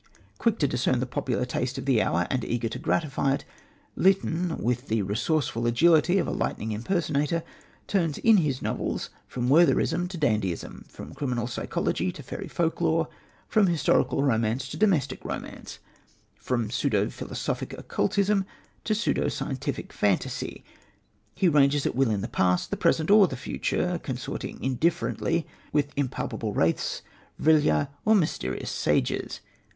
Quick to discern the popular taste of the hour, and eager to gratify it, Lytton, with the resourceful agility of a lightning impersonator, turns in his novels from Wertherism to dandyism, from criminal psychology to fairy folk lore, from historical romance to domestic romance, from pseudo philosophic occultism to pseudo scientific fantasy. He ranges at will in the past, the present or the future, consorting indifferently with impalpable wraiths, Vrilya or mysterious Sages.